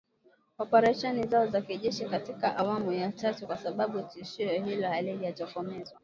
oparesheni zao za kijeshi katika awamu ya tatu kwa sababu tishio hilo halijatokomezwa